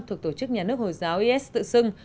thuộc tổ chức nhà nước hồi giáo is tự xưng